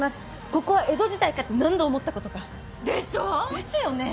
ここは江戸時代かって何度思ったことか！でしょ？ですよね？